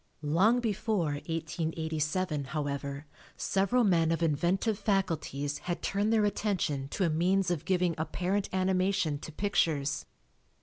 Long before 1887, however, several men of inventive faculties had turned their attention to a means of giving apparent animation to pictures.